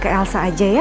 kasih ke elsa aja ya